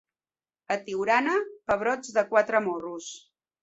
A Tiurana, pebrots de quatre morros.